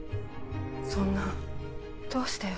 そんなどうして？